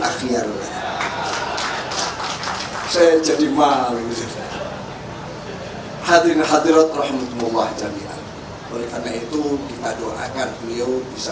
akhirnya saya jadi mahal hadirin hadirat rahmatullah jaminan oleh karena itu kita doakan beliau bisa